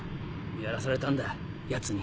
やらされたんだヤツに。